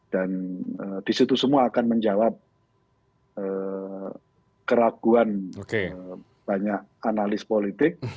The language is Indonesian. dan di situ semua akan menjawab keraguan banyak analis politik